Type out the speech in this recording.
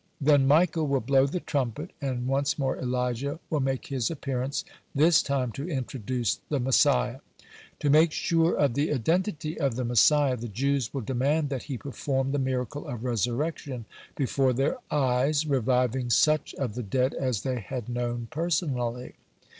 (111) Then Michael will blow the trumpet, and once more Elijah will make his appearance, this time to introduce the Messiah. (112) To make sure of the identity of the Messiah, the Jews will demand that he perform the miracle of resurrection before their eyes, reviving such of the dead as they had known personally.